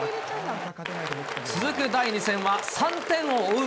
続く第２戦は３点を追う